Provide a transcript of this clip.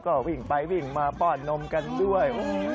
ก็วิ่งไปวิ่งมาป้อนนมกันด้วย